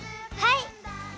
はい！